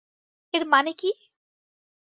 এর মানে কী?